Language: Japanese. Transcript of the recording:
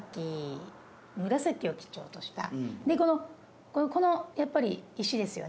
紫を基調としたでこのやっぱり石ですよね。